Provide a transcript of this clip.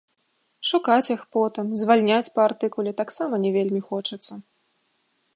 Шукаць іх потым, звальняць па артыкуле таксама не вельмі хочацца.